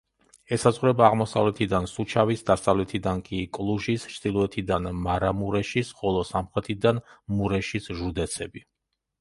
ესაზღვრება აღმოსავლეთიდან სუჩავის, დასავლეთიდან კი კლუჟის, ჩრდილოეთიდან მარამურეშის, ხოლო სამხრეთიდან მურეშის ჟუდეცები.